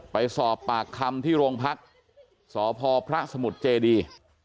ไปสอบปากคำที่โรงพักษ์สพพระสมุทรเจดี